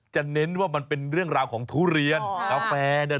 มันน่าจะเป็นลูกอะไรคนานมันเก่า